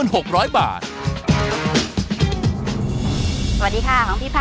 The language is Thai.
เอาล่ะจริงป่ะ